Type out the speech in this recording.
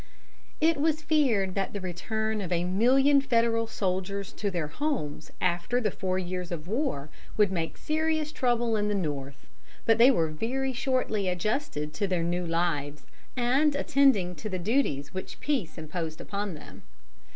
It was feared that the return of a million Federal soldiers to their homes after the four years of war would make serious trouble in the North, but they were very shortly adjusted to their new lives and attending to the duties which peace imposed upon them.